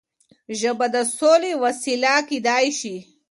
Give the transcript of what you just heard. ژبه د سولې وسيله کيدای شي.